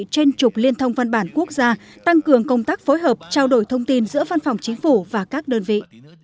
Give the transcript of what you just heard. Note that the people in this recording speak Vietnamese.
trên trục liên thông văn bản quốc gia tăng cường công tác phối hợp trao đổi thông tin giữa văn phòng chính phủ và các đơn vị